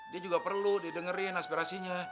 dia juga perlu didengerin aspirasinya